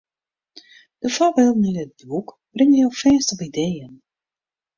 De foarbylden yn dit boek bringe jo fêst op ideeën.